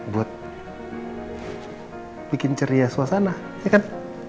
buat bikin ceria suasana ya kan